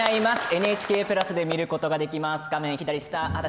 ＮＨＫプラスで見ることができます。